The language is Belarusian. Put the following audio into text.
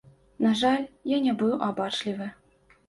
На жаль, я не быў абачлівы.